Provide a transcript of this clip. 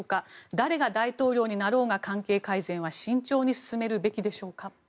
誰が大統領になろうが関係改善は慎重に進めるべきでしょうか？